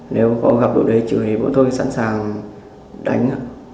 nếu có gặp độ đầy chửi thì bọn tôi sẵn sàng đánh